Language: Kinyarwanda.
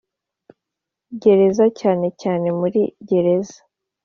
Gereza cyane cyane muri gereza